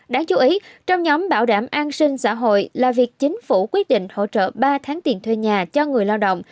đáng chú ý trong nhóm bảo đảm an sinh xã hội là việc chính phủ quyết định hỗ trợ ba tháng tiền thuê nhà cho người lao động